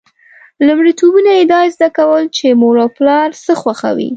لومړیتوبونه یې دا زده کول دي چې مور او پلار څه خوښوي.